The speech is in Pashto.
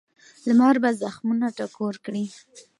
لمر به زخمونه ټکور کړي.